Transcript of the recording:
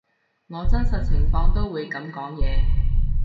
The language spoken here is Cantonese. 我真實情況都會噉講嘢